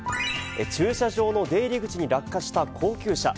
駐車場の出入り口に落下した高級車。